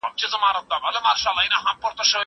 زه به سبا ښوونځی ته ځم وم!